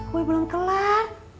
wih belum kelar